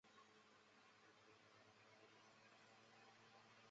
但这些谣传随着华年达被救出而不攻自破。